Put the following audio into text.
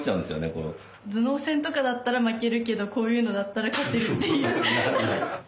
頭脳戦とかだったら負けるけどこういうのだったら勝てるっていう。